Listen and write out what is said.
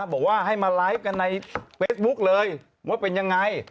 บอกว่าให้มาไลฟ์กันในเฟซบุ๊คเลยว่าเป็นยังไง